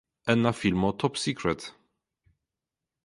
En la filmo "Top Secret!